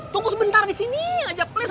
tunggu sebentar disini aja please